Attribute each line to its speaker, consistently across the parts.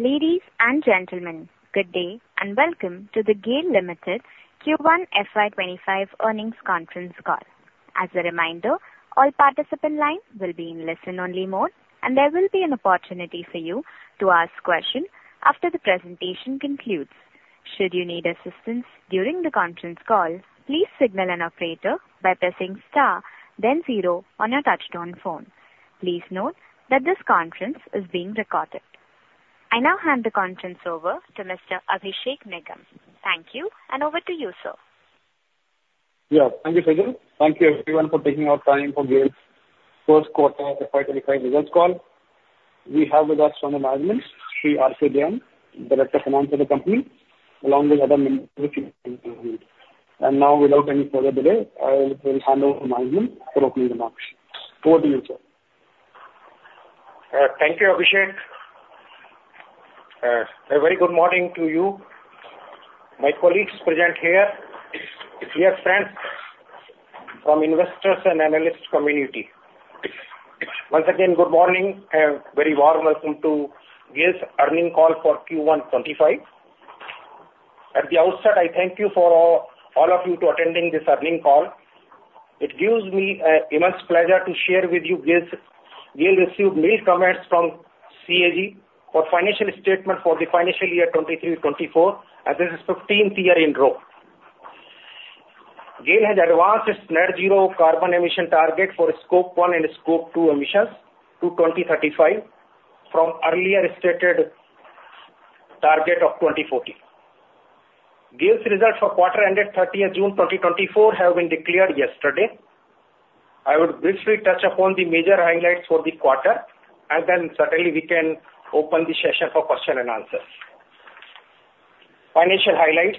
Speaker 1: Ladies and gentlemen, good day, and welcome to the GAIL Limited Q1 FY25 earnings conference call. As a reminder, all participant lines will be in listen-only mode, and there will be an opportunity for you to ask questions after the presentation concludes. Should you need assistance during the conference call, please signal an operator by pressing star then zero on your touchtone phone. Please note that this conference is being recorded. I now hand the conference over to Mr. Abhishek Nigam. Thank you, and over to you, sir.
Speaker 2: Yeah. Thank you, Saju. Thank you everyone for taking out time for GAIL's first quarter FY25 results call. We have with us from the management, Shri R.K. Jain, Director Finance of the company, along with other members. Now, without any further delay, I will hand over to management for opening remarks. Over to you, sir.
Speaker 3: Thank you, Abhishek. A very good morning to you, my colleagues present here, dear friends from investors and analyst community. Once again, good morning and very warm welcome to GAIL's earnings call for Q1 2025. At the outset, I thank you for all, all of you to attending this earnings call. It gives me immense pleasure to share with you GAIL's. GAIL received clean comments from CAG for financial statement for the financial year 2023-24, and this is 15th year in row. GAIL has advanced its net zero carbon emission target for Scope 1 and Scope 2 emissions to 2035 from earlier stated target of 2040. GAIL's results for quarter ended 30th June 2024 have been declared yesterday. I would briefly touch upon the major highlights for the quarter, and then certainly we can open the session for question and answers. Financial highlights.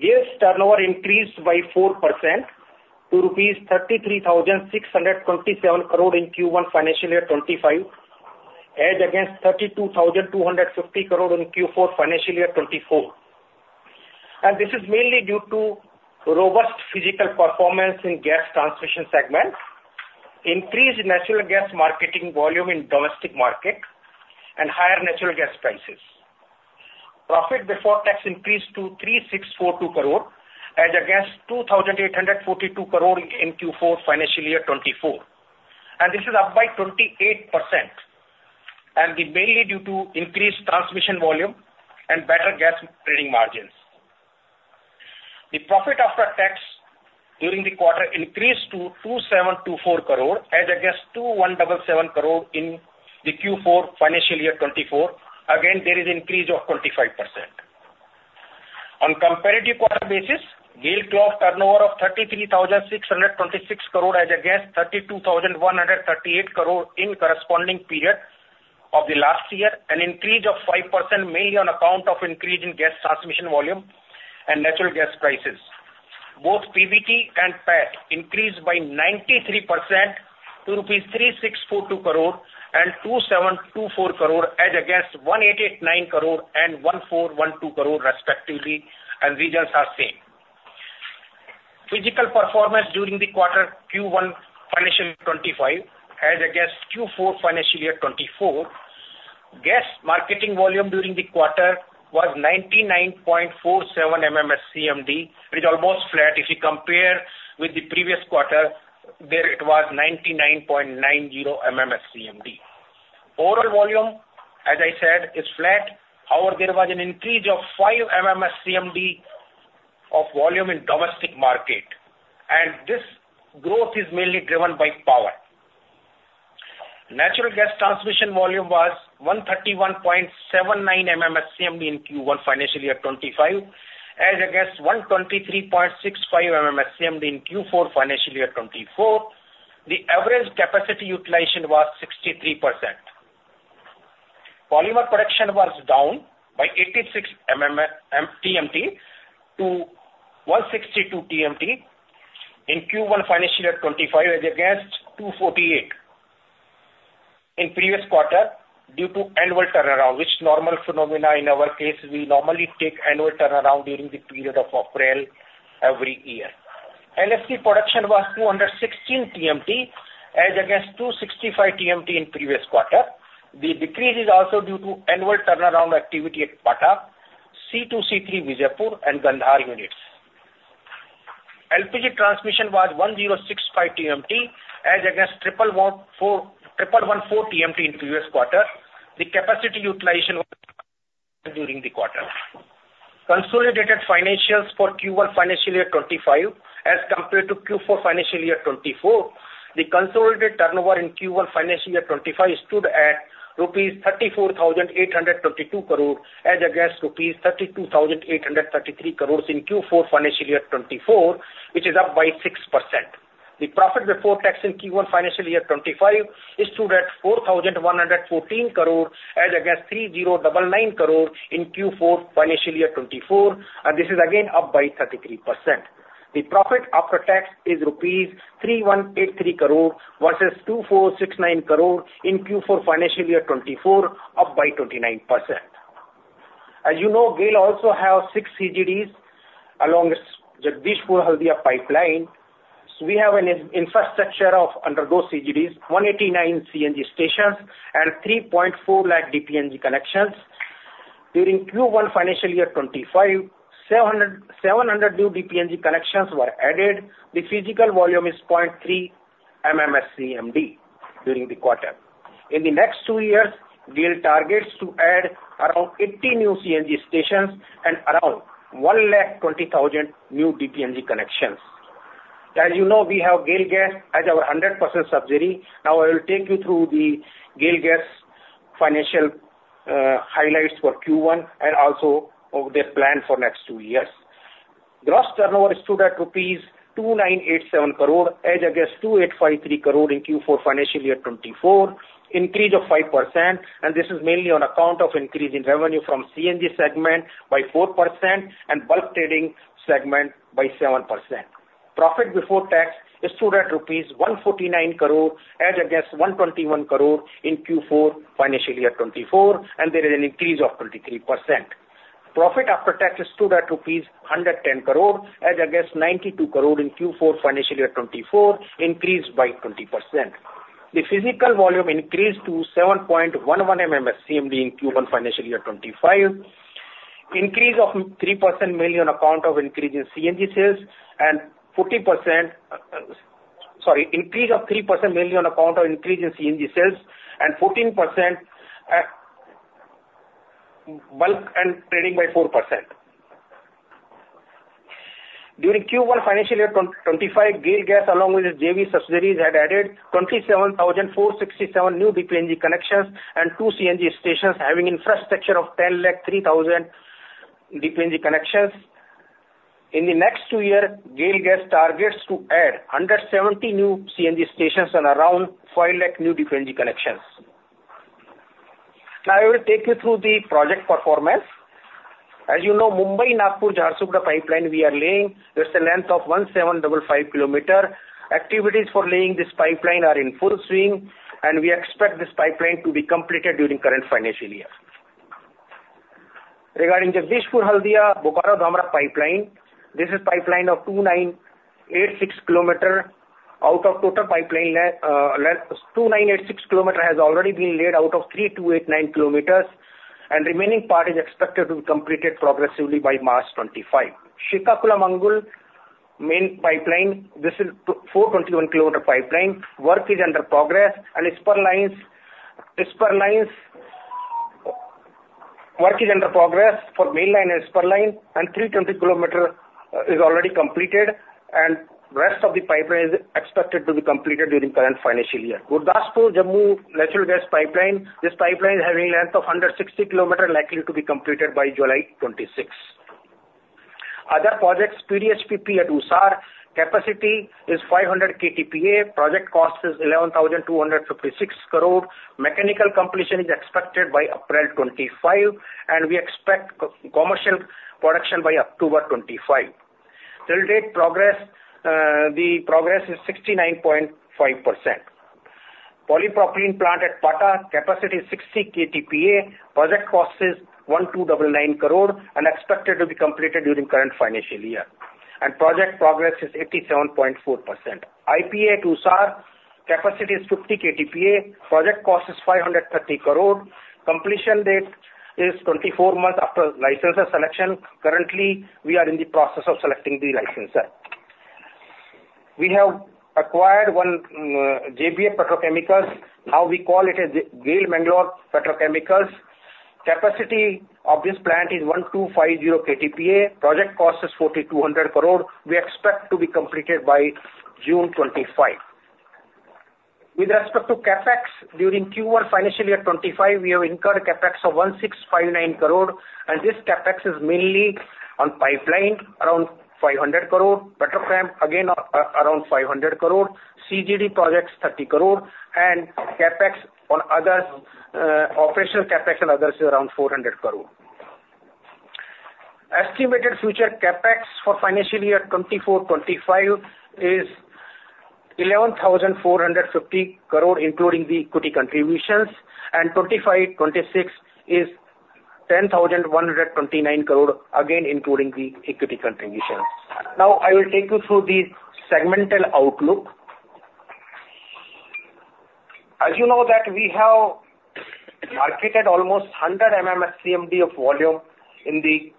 Speaker 3: GAIL's turnover increased by 4% to 33,627 crore rupees in Q1 financial year 2025, as against 32,250 crore in Q4 financial year 2024. This is mainly due to robust physical performance in gas transmission segment, increased natural gas marketing volume in domestic market, and higher natural gas prices. Profit before tax increased to 3,642 crore, as against 2,842 crore in Q4 financial year 2024, and this is up by 28%, and is mainly due to increased transmission volume and better gas trading margins. The profit after tax during the quarter increased to 2,724 crore, as against 2,177 crore in the Q4 financial year 2024. Again, there is increase of 25%. On comparative quarter basis, GAIL closed turnover of 33,626 crore, as against 32,138 crore in corresponding period of the last year, an increase of 5% mainly on account of increase in gas transmission volume and natural gas prices. Both PBT and PAT increased by 93% to 3,642 crore rupees and 2,724 crore, as against 1,889 crore and 1,412 crore respectively, and results are same. Physical performance during the quarter Q1 financial year 2025 as against Q4 financial year 2024, gas marketing volume during the quarter was 99.47 MMSCMD, it is almost flat. If you compare with the previous quarter, there it was 99.90 MMSCMD. Overall volume, as I said, is flat. However, there was an increase of 5 MMSCMD of volume in domestic market, and this growth is mainly driven by power. Natural gas transmission volume was 131.79 MMSCMD in Q1 financial year 2025, as against 123.65 MMSCMD in Q4 financial year 2024. The average capacity utilization was 63%. Polymer production was down by 86 TMT to 162 TMT in Q1 financial year 2025, as against 248 in previous quarter, due to annual turnaround, which normal phenomena in our case, we normally take annual turnaround during the period of April every year. LHC production was 216 TMT, as against 265 TMT in previous quarter. The decrease is also due to annual turnaround activity at Pata, C2, C3, Vijaipur, and Gandhar units. LPG transmission was 1,065 TMT, as against 1,114 TMT in previous quarter. The capacity utilization during the quarter. Consolidated financials for Q1 financial year 2025 as compared to Q4 financial year 2024, the consolidated turnover in Q1 financial year 2025 stood at INR 34,822 crore, as against INR 32,833 crore in Q4 financial year 2024, which is up by 6%. The profit before tax in Q1 financial year 2025 stood at 4,114 crore, as against 3,099 crore in Q4 financial year 2024, and this is again up by 33%. The profit after tax is rupees 3,183 crore versus 2,469 crore in Q4 financial year 2024, up by 29%.... As you know, GAIL also have six CGDs along its Jagdishpur-Haldia pipeline. So we have an infrastructure under those CGDs, 189 CNG stations and 3.4 lakh DPNG connections. During Q1 financial year 2025, 700 new DPNG connections were added. The physical volume is 0.3 MMSCMD during the quarter. In the next two years, GAIL targets to add around 80 new CNG stations and around 1,20,000 new DPNG connections. As you know, we have GAIL Gas as our 100% subsidiary. Now, I will take you through the GAIL Gas financial highlights for Q1 and also of their plan for next two years. Gross turnover stood at rupees 2,987 crore, as against 2,853 crore in Q4 financial year 2024, increase of 5%, and this is mainly on account of increase in revenue from CNG segment by 4% and bulk trading segment by 7%. Profit before tax stood at rupees 149 crore, as against 121 crore in Q4 financial year 2024, and there is an increase of 23%. Profit after tax stood at rupees 110 crore, as against 92 crore in Q4 financial year 2024, increased by 20%. The physical volume increased to 7.11 MMSCMD in Q1 financial year 2025, increase of 3% mainly on account of increase in CNG sales and 14%. Sorry, increase of 3% mainly on account of increase in CNG sales and 14%, uh, bulk and trading by 4%. During Q1 financial year 2025, GAIL Gas, along with its JV subsidiaries, had added 27,467 new DPNG connections and two CNG stations, having infrastructure of 10 lakh 3,000 DPNG connections. In the next two years, GAIL Gas targets to add under 70 new CNG stations and around 5 lakh new DPNG connections. Now, I will take you through the project performance. As you know, Mumbai-Nagpur-Jharsuguda pipeline we are laying, that's a length of 1,775 kilometers. Activities for laying this pipeline are in full swing, and we expect this pipeline to be completed during current financial year. Regarding Jagdishpur-Haldia-Bokaro-Dhamra pipeline, this is pipeline of 2,986 kilometers. Out of total pipeline length, 2,986 km has already been laid out of 3,289 km, and remaining part is expected to be completed progressively by March 2025. Srikakulam main pipeline, this is 421 km pipeline. Work is under progress and spur lines work is under progress for mainline and spur line, and 320 km is already completed, and rest of the pipeline is expected to be completed during current financial year. Gurdaspur-Jammu natural gas pipeline, this pipeline having a length of under 60 km, likely to be completed by July 2026. Other projects, PDH-PP at Usar. Capacity is 500 KTPA. Project cost is 11,256 crore. Mechanical completion is expected by April 2025, and we expect commercial production by October 2025. Overall progress, the progress is 69.5%. Polypropylene plant at Pata, capacity 60 KTPA. Project cost is 1,299 crore and expected to be completed during current financial year, and project progress is 87.4%. IPA at Usar, capacity is 50 KTPA. Project cost is 530 crore. Completion date is 24 months after licensor selection. Currently, we are in the process of selecting the licensor. We have acquired one, JBF Petrochemicals. Now we call it a GAIL Mangalore Petrochemicals. Capacity of this plant is 1,250 KTPA. Project cost is 4,200 crore. We expect to be completed by June 2025. With respect to CapEx, during Q1 financial year 2025, we have incurred CapEx of 1,659 crore, and this CapEx is mainly on pipeline, around 500 crore, Petrochem, again, around 500 crore, CGD projects, 30 crore, and CapEx on others, operational CapEx on others is around 400 crore. Estimated future CapEx for financial year 2024/2025 is 11,450 crore, including the equity contributions, and 2025/2026 is 10,129 crore, again, including the equity contributions. Now, I will take you through the segmental outlook. As you know that we have marketed almost 100 MMSCMD of volume in the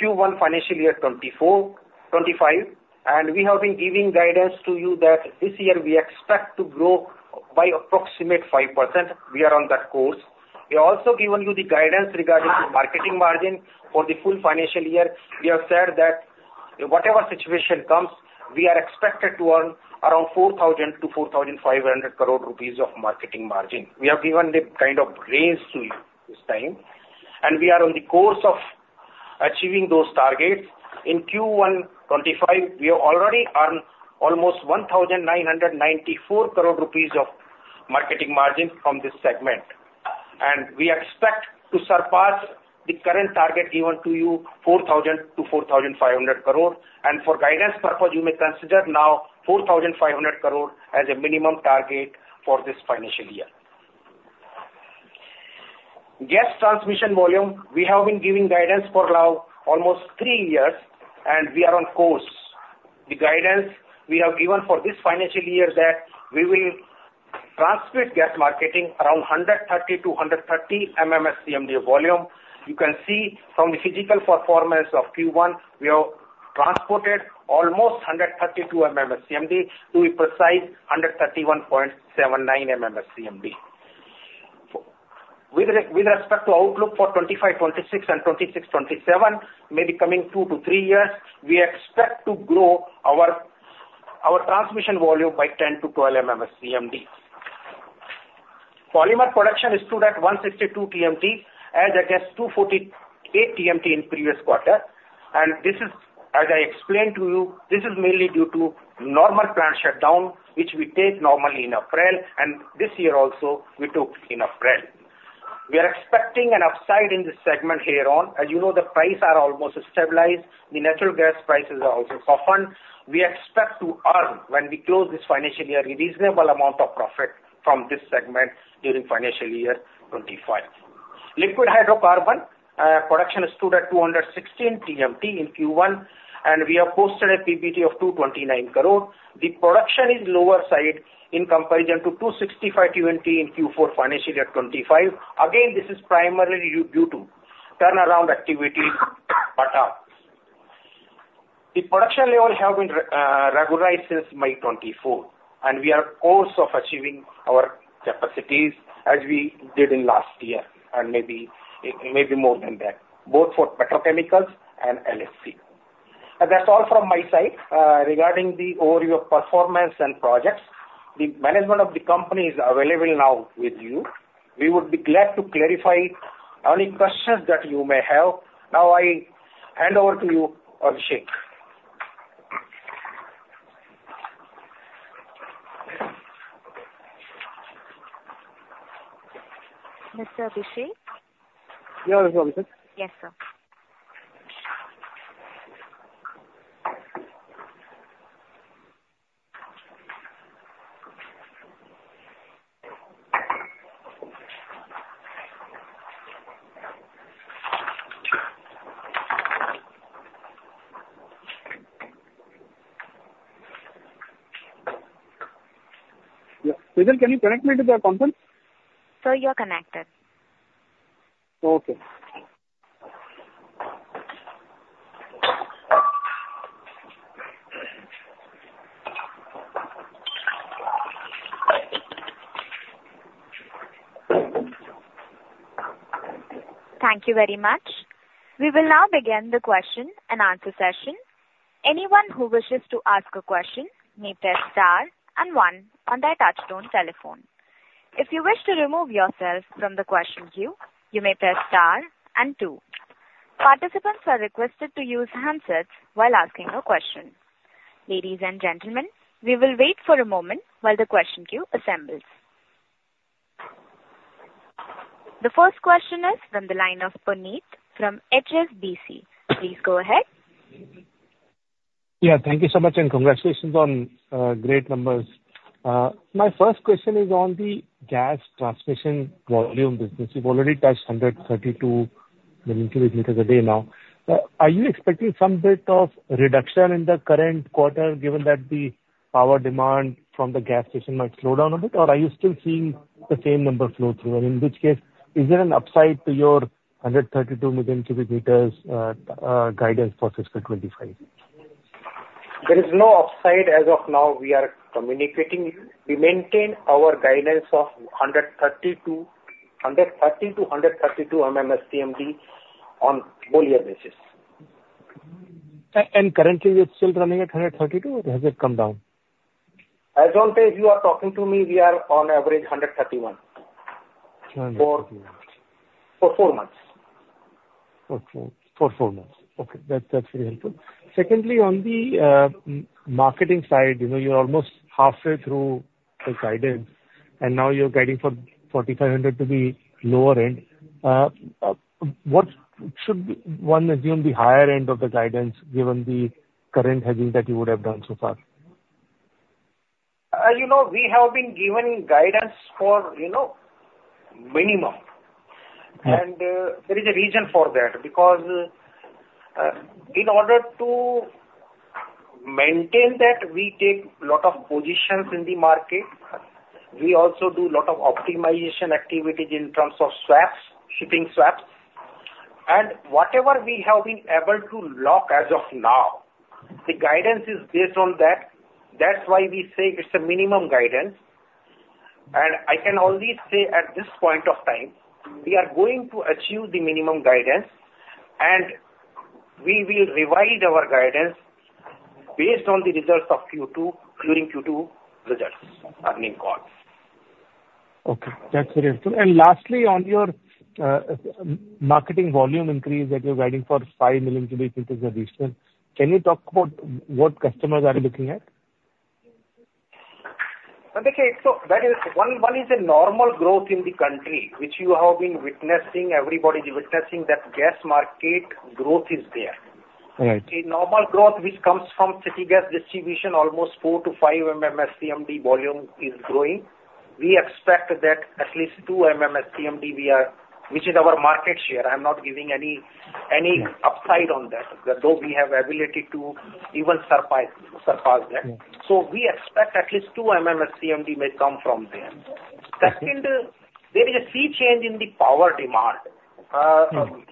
Speaker 3: Q1 financial year 2024/2025, and we have been giving guidance to you that this year we expect to grow by approximately 5%. We are on that course. We have also given you the guidance regarding the marketing margin for the full financial year. We have said that whatever situation comes, we are expected to earn around 4,000 crore-4,500 crore rupees of marketing margin. We have given the kind of range to you this time, and we are on the course of achieving those targets. In Q1 2025, we have already earned almost 1,994 crore rupees of marketing margin from this segment, and we expect to surpass the current target given to you, 4,000 crore-4,500 crore. For guidance purpose, you may consider now 4,500 crore as a minimum target for this financial year.... Gas transmission volume, we have been giving guidance for now almost 3 years, and we are on course. The guidance we have given for this financial year that we will transmit gas marketing around 130-130 MMSCMD volume. You can see from the physical performance of Q1, we have transported almost 132 MMSCMD, to be precise, 131.79 MMSCMD. With respect to outlook for 2025, 2026 and 2026, 2027, maybe coming 2-3 years, we expect to grow our transmission volume by 10-12 MMSCMD. Polymer production is stood at 162 TMT, as against 248 TMT in previous quarter, and this is, as I explained to you, this is mainly due to normal plant shutdown, which we take normally in April, and this year also we took in April. We are expecting an upside in this segment hereon. As you know, the price are almost stabilized. The natural gas prices are also softened. We expect to earn, when we close this financial year, a reasonable amount of profit from this segment during financial year 25. Liquid hydrocarbon production stood at 216 TMT in Q1, and we have posted a PBT of 229 crore. The production is lower side in comparison to 265 TMT in Q4, financial year 25. Again, this is primarily due to turnaround activities, but the production levels have been regularized since May 2024, and we are course of achieving our capacities as we did in last year, and maybe more than that, both for petrochemicals and LHC. And that's all from my side regarding the overview of performance and projects. The management of the company is available now with you. We would be glad to clarify any questions that you may have. Now, I hand over to you, Abhishek.
Speaker 1: Mr. Abhishek?
Speaker 3: Yeah, Abhishek.
Speaker 1: Yes, sir.
Speaker 3: Yeah. Susan, can you connect me to the conference?
Speaker 1: Sir, you are connected.
Speaker 3: Okay.
Speaker 1: Thank you very much. We will now begin the question and answer session. Anyone who wishes to ask a question may press Star and One on their touchtone telephone. If you wish to remove yourself from the question queue, you may press Star and Two. Participants are requested to use handsets while asking a question. Ladies and gentlemen, we will wait for a moment while the question queue assembles. The first question is from the line of Puneet from HSBC. Please go ahead.
Speaker 4: Yeah, thank you so much, and congratulations on great numbers. My first question is on the gas transmission volume business. You've already touched 132 million cubic meters a day now. Are you expecting some bit of reduction in the current quarter, given that the power demand from the gas station might slow down a bit? Or are you still seeing the same number flow through? And in which case, is there an upside to your 132 million cubic meters guidance for fiscal 2025?
Speaker 3: There is no upside as of now, we are communicating. We maintain our guidance of 130 to 130 to 132 MMSCMD on whole year basis.
Speaker 4: Currently, you're still running at 132, or has it come down?
Speaker 3: As long as you are talking to me, we are on average 131.
Speaker 4: Hundred thirty-one.
Speaker 3: For 4 months.
Speaker 4: Okay. For four months. Okay, that, that's very helpful. Secondly, on the marketing side, you know, you're almost halfway through the guidance, and now you're guiding for 4,500 to be lower end. What should one assume the higher end of the guidance, given the current hedging that you would have done so far?
Speaker 3: You know, we have been giving guidance for, you know, minimum.
Speaker 4: Yeah.
Speaker 3: There is a reason for that, because in order to maintain that, we take lot of positions in the market. We also do lot of optimization activities in terms of swaps, shipping swaps. And whatever we have been able to lock as of now, the guidance is based on that. That's why we say it's a minimum guidance. And I can only say at this point of time, we are going to achieve the minimum guidance, and we will revise our guidance based on the results of Q2, during Q2 results, earning call.
Speaker 4: Okay, that's very helpful. And lastly, on your marketing volume increase, that you're guiding for 5 million cubic meters a recent, can you talk about what customers are looking at?
Speaker 3: Okay. So that is one, one is a normal growth in the country, which you have been witnessing, everybody is witnessing, that gas market growth is there. A normal growth which comes from city gas distribution, almost 4-5 MMSCMD volume is growing. We expect that at least 2 MMSCMD we are, which is our market share. I'm not giving any upside on that, though we have ability to even surprise, surpass that.
Speaker 4: Mm.
Speaker 3: We expect at least 2 MMSCMD may come from there.
Speaker 4: Right.
Speaker 3: Second, there is a sea change in the power demand.
Speaker 4: Mm.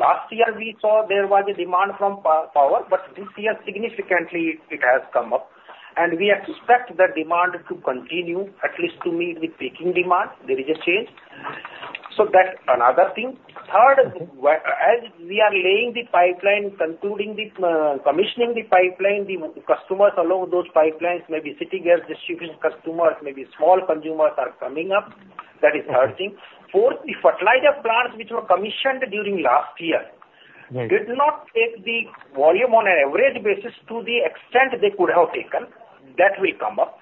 Speaker 3: Last year, we saw there was a demand from power, but this year, significantly, it has come up, and we expect the demand to continue at least to meet the peaking demand. There is a change. So that's another thing. Third, as we are laying the pipeline, concluding the commissioning the pipeline, the customers along those pipelines, maybe city gas distribution customers, maybe small consumers, are coming up. That is third thing. Fourth, the fertilizer plants which were commissioned during last year.
Speaker 4: Right...
Speaker 3: did not take the volume on an average basis to the extent they could have taken. That will come up.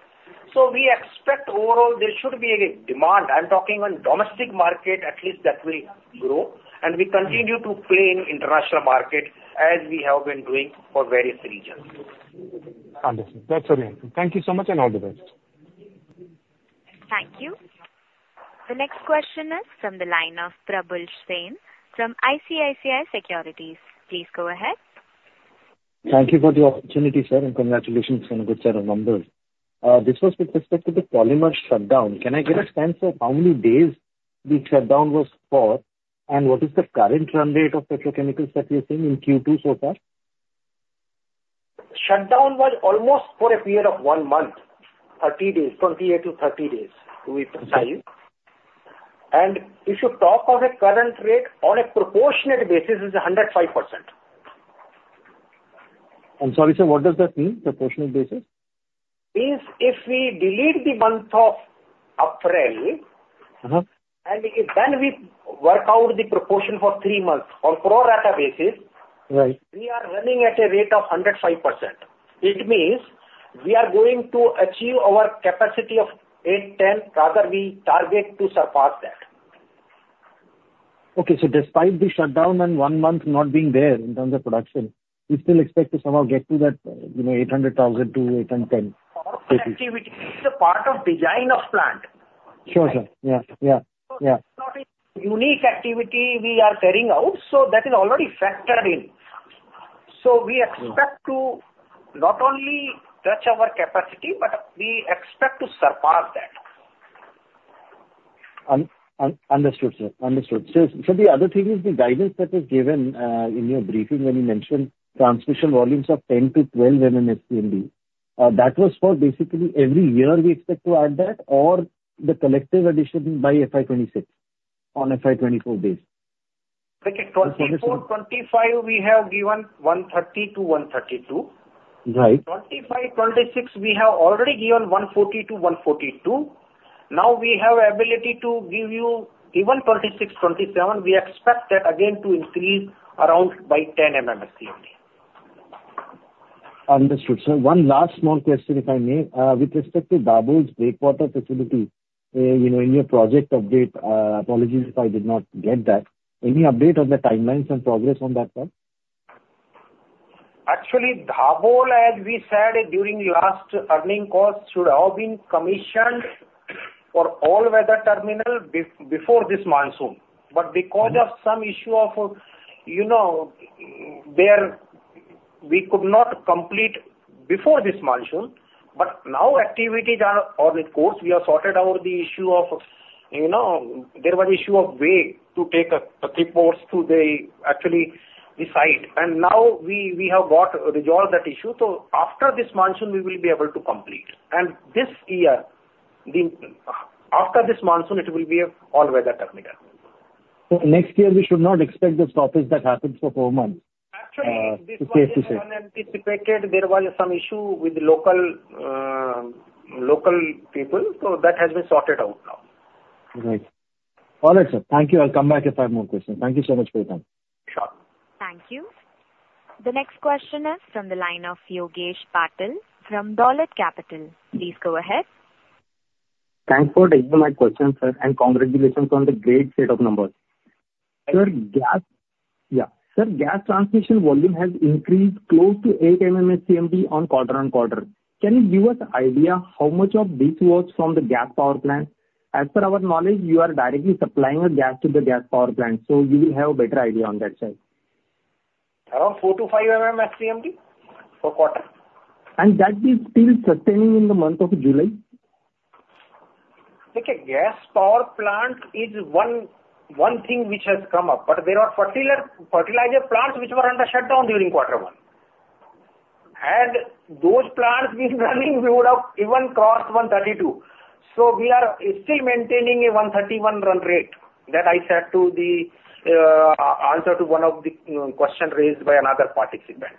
Speaker 3: So we expect overall there should be a demand. I'm talking on domestic market, at least that will grow, and we continue to play in international market as we have been doing for various regions.
Speaker 4: Understood. That's alright. Thank you so much, and all the best.
Speaker 1: Thank you. The next question is from the line of Probal Sen from ICICI Securities. Please go ahead.
Speaker 5: Thank you for the opportunity, sir, and congratulations on a good set of numbers. This was with respect to the polymer shutdown. Can I get a sense of how many days the shutdown was for, and what is the current run rate of petrochemicals that you're seeing in Q2 so far?
Speaker 3: Shutdown was almost for a period of 1 month, 30 days, 28-30 days.
Speaker 5: Right.
Speaker 3: If you talk of a current rate on a proportionate basis, it's 105%.
Speaker 5: I'm sorry, sir, what does that mean, proportionate basis?
Speaker 3: Means if we delete the month of April-
Speaker 5: Uh-huh...
Speaker 3: and if then we work out the proportion for three months on pro rata basis-
Speaker 5: Right...
Speaker 3: we are running at a rate of 105%. It means we are going to achieve our capacity of 810, rather we target to surpass that.
Speaker 5: Okay, so despite the shutdown and one month not being there in terms of production, you still expect to somehow get to that, you know, 800,000 to 810 capacity?
Speaker 3: Our activity is a part of design of plant.
Speaker 5: Sure, sir. Yeah. Yeah. Yeah.
Speaker 3: unique activity we are carrying out, so that is already factored in. So we expect-
Speaker 5: Right...
Speaker 3: to not only touch our capacity, but we expect to surpass that.
Speaker 5: Understood, sir, understood. So the other thing is the guidance that was given in your briefing when you mentioned transmission volumes of 10-12 MMSCMD, that was for basically every year we expect to add that, or the collective addition by FY 2026 on FY 2024 base?
Speaker 3: Okay.
Speaker 5: Inaudible
Speaker 3: 2024, 2025, we have given 130-132.
Speaker 5: Right.
Speaker 3: 25, 26, we have already given 140 to 142. Now we have ability to give you even 26, 27, we expect that again to increase around by 10 MMSCMD.
Speaker 5: Understood, sir. One last small question, if I may. With respect to Dabhol's breakwater facility, you know, in your project update, apologies if I did not get that. Any update on the timelines and progress on that front?
Speaker 3: Actually, Dabhol, as we said during last earnings calls, should have been commissioned for all-weather terminal before this monsoon.
Speaker 5: Mm.
Speaker 3: But because of some issue of, you know, there, we could not complete before this monsoon, but now activities are on course. We have sorted out the issue of, you know, there was issue of way to take, the people to the, actually, the site. And now we have got resolved that issue. So after this monsoon, we will be able to complete. And this year, the, after this monsoon, it will be a all-weather terminal.
Speaker 5: Next year, we should not expect the stoppage that happened for four months, just to say.
Speaker 3: Actually, this was unanticipated. There was some issue with the local people, so that has been sorted out now.
Speaker 5: Right. All right, sir. Thank you. I'll come back if I have more questions. Thank you so much for your time.
Speaker 3: Sure.
Speaker 1: Thank you. The next question is from the line of Yogesh Patil from Dolat Capital. Please go ahead.
Speaker 6: Thanks for taking my question, sir, and congratulations on the great set of numbers. Sir, gas transmission volume has increased close to 8 MMSCMD quarter-over-quarter. Can you give us idea how much of this was from the gas power plant? As per our knowledge, you are directly supplying the gas to the gas power plant, so you will have a better idea on that side.
Speaker 3: Around 4-5 MMSCMD for quarter.
Speaker 6: That is still sustaining in the month of July?
Speaker 3: Like a gas power plant is one thing which has come up, but there are fertilizer plants which were under shutdown during quarter one. Had those plants been running, we would have even crossed 132. So we are still maintaining a 131 run rate. That I said to the answer to one of the question raised by another participant.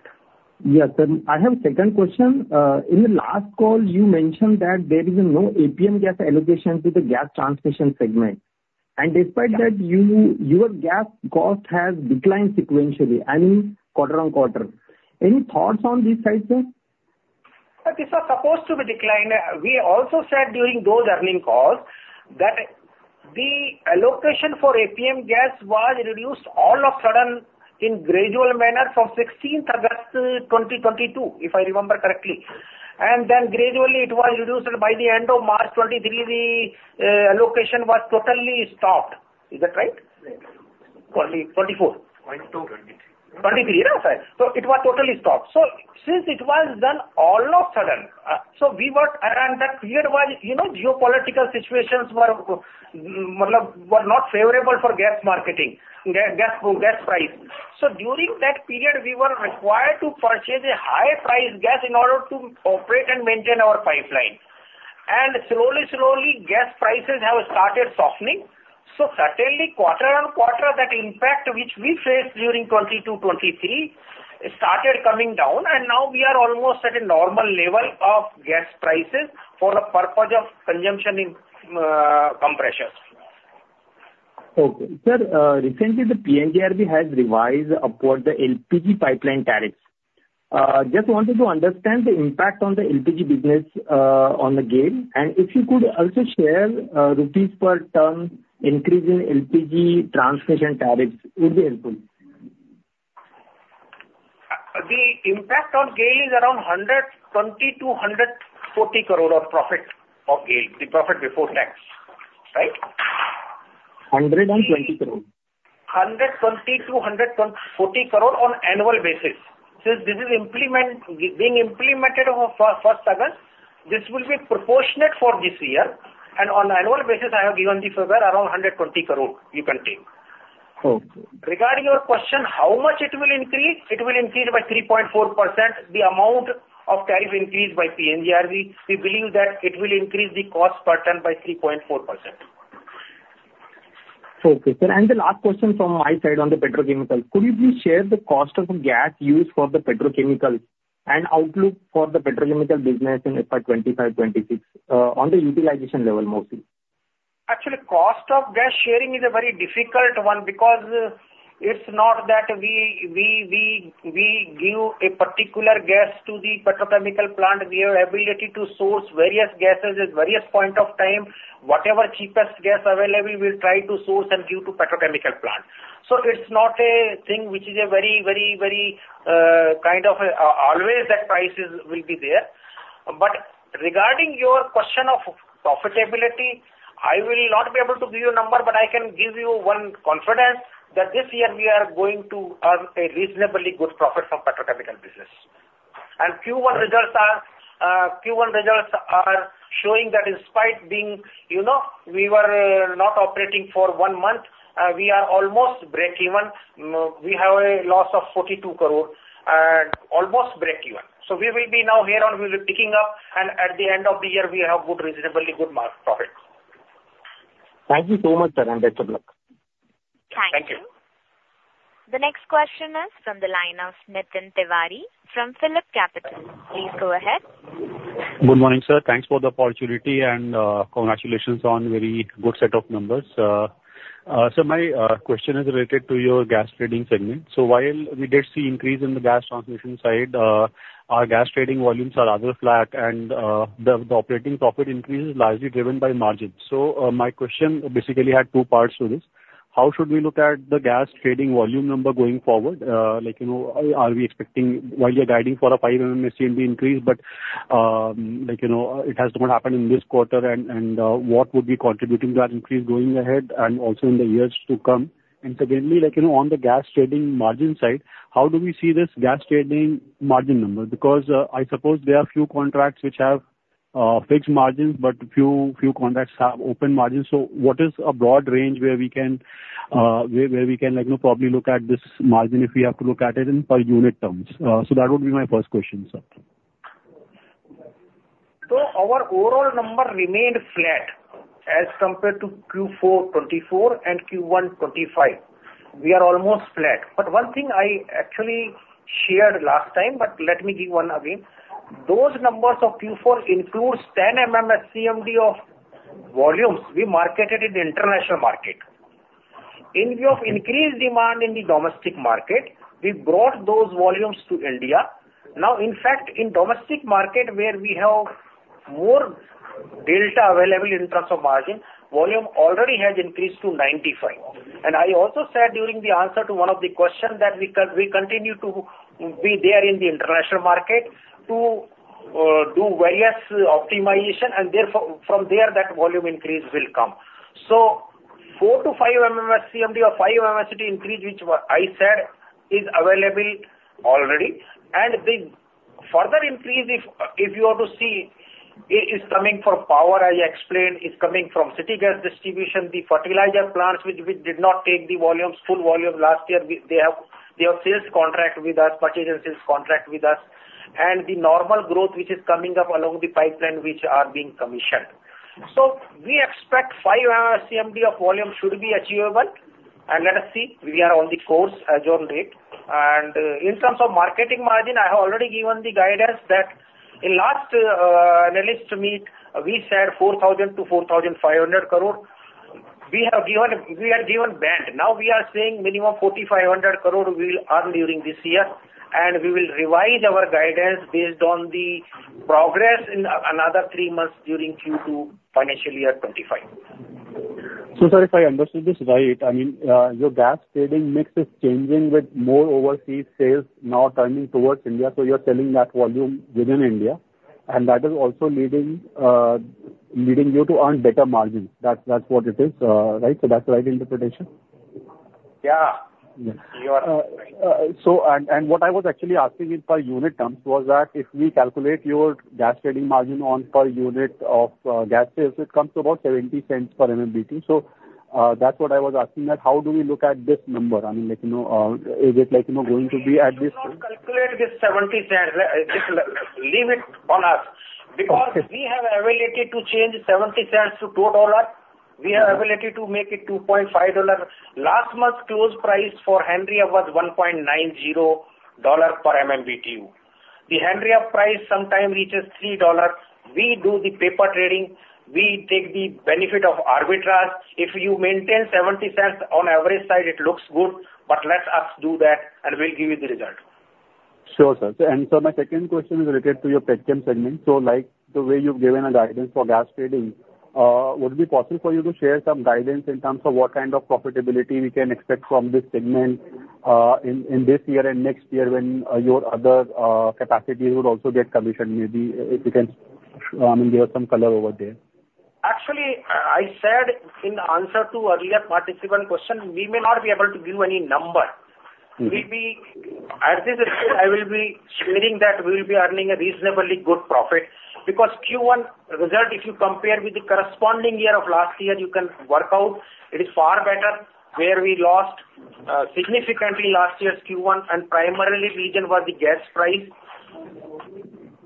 Speaker 6: Yes, sir. I have second question. In the last call, you mentioned that there is no APM gas allocation to the gas transmission segment, and despite that, your gas cost has declined sequentially, I mean, quarter on quarter. Any thoughts on this side, sir?...
Speaker 3: But this was supposed to be declined. We also said during those earnings calls that the allocation for APM gas was reduced all of a sudden in a gradual manner from 16th August 2022, if I remember correctly, and then gradually it was reduced, by the end of March 2023, the allocation was totally stopped. Is that right?
Speaker 6: Right.
Speaker 3: Twenty, twenty-four.
Speaker 6: Point 2. 23.
Speaker 3: 2023, yeah, sorry. So it was totally stopped. So since it was done all of a sudden, so we were—and that period was, you know, geopolitical situations were not favorable for gas marketing, gas price. So during that period, we were required to purchase high price gas in order to operate and maintain our pipeline. And slowly, slowly, gas prices have started softening, so certainly quarter-on-quarter, that impact which we faced during 2022, 2023, started coming down, and now we are almost at a normal level of gas prices for the purpose of consumption in compressors.
Speaker 6: Okay. Sir, recently, the PNGRB has revised upward the LPG pipeline tariffs. Just wanted to understand the impact on the LPG business, on the GAIL, and if you could also share, rupees per ton increase in LPG transmission tariffs would be helpful.
Speaker 3: The impact on GAIL is around 120 crore-140 crore on profit of GAIL, the profit before tax, right?
Speaker 6: 120 crore.
Speaker 3: 120-140 crore on annual basis. Since this is implement, being implemented on first August, this will be proportionate for this year, and on annual basis, I have given the figure around 120 crore, you can take.
Speaker 6: Okay.
Speaker 3: Regarding your question, how much it will increase? It will increase by 3.4%, the amount of tariff increase by PNGRB. We believe that it will increase the cost per ton by 3.4%.
Speaker 6: Okay, sir. And the last question from my side on the petrochemical. Could you please share the cost of gas used for the petrochemical and outlook for the petrochemical business in FY 2025, 2026, on the utilization level, mostly?
Speaker 3: Actually, cost of gas sharing is a very difficult one, because it's not that we give a particular gas to the petrochemical plant. We have ability to source various gases at various point of time. Whatever cheapest gas available, we'll try to source and give to petrochemical plant. So it's not a thing which is a very, very, very, kind of, always that prices will be there. But regarding your question of profitability, I will not be able to give you a number, but I can give you one confidence that this year we are going to earn a reasonably good profit from petrochemical business. And Q1 results are showing that in spite being, you know, we were not operating for one month, we are almost breakeven. No, we have a loss of 42 crore and almost breakeven. So we'll be picking up, and at the end of the year, we have good, reasonably good margins.
Speaker 6: Thank you so much, sir, and best of luck.
Speaker 3: Thank you.
Speaker 1: Thank you. The next question is from the line of Nitin Tiwari from PhillipCapital. Please go ahead.
Speaker 7: Good morning, sir. Thanks for the opportunity and, congratulations on very good set of numbers. So my question is related to your gas trading segment. So while we did see increase in the gas transmission side, our gas trading volumes are rather flat, and, the operating profit increase is largely driven by margins. So, my question basically had two parts to this. How should we look at the gas trading volume number going forward? Like, you know, are we expecting... While you're guiding for a 5 MMSCMD increase, but, like, you know, it has not happened in this quarter, and, what would be contributing to that increase going ahead and also in the years to come? And secondly, like, you know, on the gas trading margin side, how do we see this gas trading margin number? Because, I suppose there are few contracts which have fixed margins, but few contracts have open margins. So what is a broad range where we can, like, you know, probably look at this margin, if we have to look at it in per unit terms? So that would be my first question, sir.
Speaker 3: So our overall number remained flat as compared to Q4 2024 and Q1 2025. We are almost flat. But one thing I actually shared last time, but let me give one again. Those numbers of Q4 includes 10 MMSCMD of volumes we marketed in the international market. In view of increased demand in the domestic market, we brought those volumes to India. Now, in fact, in domestic market, where we have more delta available in terms of margin, volume already has increased to 95. And I also said during the answer to one of the question, that we continue to be there in the international market to do various optimization, and therefore, from there, that volume increase will come. So 4-5 MMSCMD or 5 MMSCMD increase, which I said is available already, and the further increase, if you are to see, it is coming from power, as I explained, it's coming from city gas distribution, the fertilizer plants which did not take the volumes, full volume last year, they have sales contract with us, purchase and sales contract with us, and the normal growth which is coming up along the pipeline, which are being commissioned. So we expect 5 MMSCMD of volume should be achievable, and let us see. We are on the course as on date. In terms of marketing margin, I have already given the guidance that in last analyst meet, we said 4,000 crore-4,500 crore. We have given band. Now we are saying minimum 4,500 crore we will earn during this year, and we will revise our guidance based on the progress in another three months during Q2, financial year 2025.
Speaker 7: So, sir, if I understood this right, I mean, your gas trading mix is changing with more overseas sales now turning towards India, so you're selling that volume within India, and that is also leading you to earn better margins. That's, that's what it is, right? So that's the right interpretation?
Speaker 3: Yeah.
Speaker 7: Yes.
Speaker 3: You are right.
Speaker 7: So, what I was actually asking in per unit terms was that if we calculate your gas trading margin on per unit of, gas sales, it comes to about $0.70 per MMBTU. So, that's what I was asking, that how do we look at this number? I mean, like, you know, is it like, you know, going to be at this-
Speaker 3: You should not calculate this $0.70. Just leave it on us.
Speaker 7: Okay.
Speaker 3: Because we have ability to change $0.70 to $2. We have ability to make it $2.5. Last month's close price for Henry Hub was $1.90 per MMBTU. The Henry Hub price sometimes reaches $3. We do the paper trading. We take the benefit of arbitrage. If you maintain $0.70 on average side, it looks good, but let us do that, and we'll give you the result.
Speaker 7: Sure, sir. Sir, my second question is related to your petchem segment. So, like the way you've given a guidance for gas trading, would it be possible for you to share some guidance in terms of what kind of profitability we can expect from this segment, in this year and next year when your other capacity would also get commissioned? Maybe if you can, I mean, give some color over there.
Speaker 3: Actually, I said in answer to earlier participant question, we may not be able to give you any number.
Speaker 7: Mm-hmm.
Speaker 3: At this stage, I will be sharing that we will be earning a reasonably good profit, because Q1 result, if you compare with the corresponding year of last year, you can work out, it is far better, where we lost significantly last year's Q1, and primarily reason was the gas price.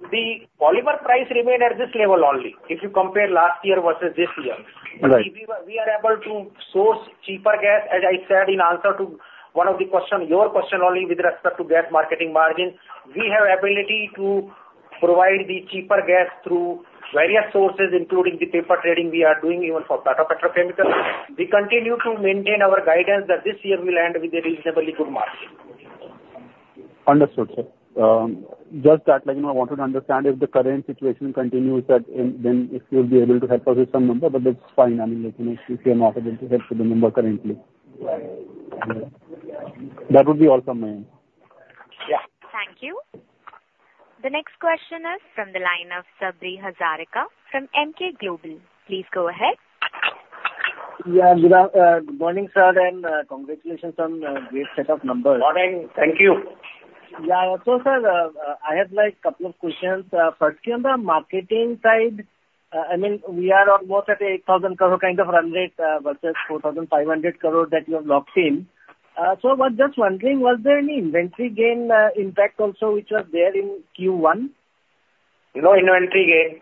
Speaker 3: The polymer price remained at this level only, if you compare last year versus this year.
Speaker 7: Right.
Speaker 3: We are able to source cheaper gas, as I said in answer to one of the question, your question only with respect to gas marketing margin. We have ability to provide the cheaper gas through various sources, including the paper trading we are doing even for Pata Petrochemicals. We continue to maintain our guidance that this year will end with a reasonably good margin.
Speaker 7: Understood, sir. Just that, like, you know, I wanted to understand if the current situation continues, that, then if you'll be able to help us with some number, but that's fine. I mean, like, you know, if you are not able to help with the number currently.
Speaker 3: Right.
Speaker 7: That would be all from my end.
Speaker 3: Yeah.
Speaker 1: Thank you. The next question is from the line of Sabri Hazarika from Emkay Global. Please go ahead.
Speaker 8: Yeah, good morning, sir, and congratulations on great set of numbers.
Speaker 3: Morning. Thank you.
Speaker 8: Yeah. So, sir, I have, like, couple of questions. First, on the marketing side, I mean, we are almost at 8,000 crore kind of run rate, versus 4,500 crore that you have locked in. So I was just wondering, was there any inventory gain, impact also, which was there in Q1?
Speaker 3: No inventory gain.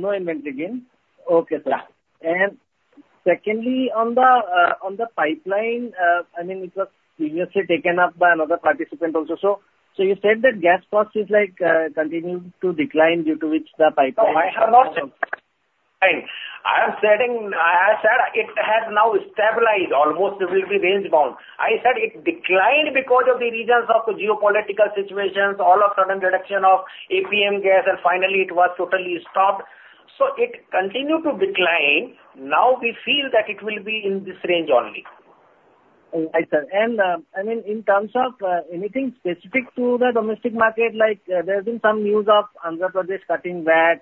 Speaker 8: No inventory gain? Okay, sir.
Speaker 3: Yeah.
Speaker 8: And secondly, on the pipeline, I mean, it was previously taken up by another participant also. So you said that gas cost is, like, continuing to decline, due to which the pipeline-
Speaker 3: No, I have not said. I am stating... I said it has now stabilized. Almost, it will be range-bound. I said it declined because of the reasons of geopolitical situations, all of a sudden reduction of APM gas, and finally it was totally stopped. So it continued to decline. Now we feel that it will be in this range only.
Speaker 8: Right, sir. And, I mean, in terms of anything specific to the domestic market, like, there has been some news of Andhra Pradesh cutting VAT